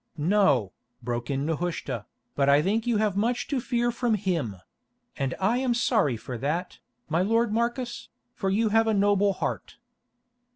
"No," broke in Nehushta, "but I think you have much to fear from him; and I am sorry for that, my lord Marcus, for you have a noble heart."